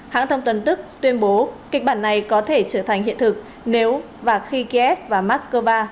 hãng thông tuần tức tuyên bố kịch bản này có thể trở thành hiện thực nếu và khi kiev và moscow